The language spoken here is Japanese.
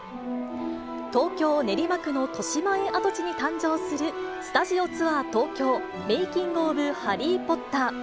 東京・練馬区のとしまえん跡地に誕生する、スタジオツアー東京メイキング・オブ・ハリー・ポッター。